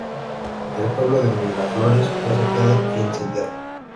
El pueblo de Miraflores fue saqueado e incendiado.